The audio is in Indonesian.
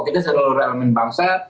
kita selalu realmen bangsa